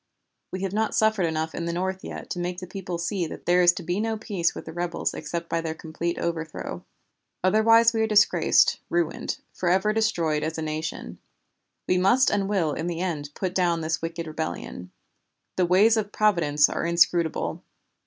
We have not suffered enough in the North yet to make the people see that there is to be no peace with the rebels except by their complete overthrow. Otherwise we are disgraced, ruined, forever destroyed as a nation. We must and will in the end put down this wicked rebellion. The ways of Providence are inscrutable.